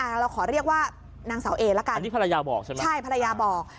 เราขอเรียกว่านางเสาเอละกันอันนี้ภรรยาบอกใช่ไหมใช่ภรรยาบอก